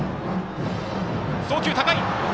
送球高い。